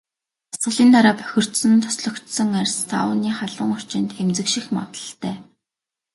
Дасгалын дараа бохирдсон, тослогжсон арьс сауны халуун орчинд эмзэгших магадлалтай.